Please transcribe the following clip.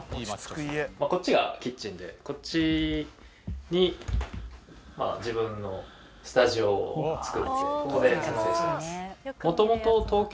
こっちがキッチンでこっちに自分のスタジオを作ってここで撮影してます。